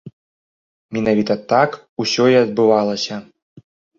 Менавіта так усё і адбывалася.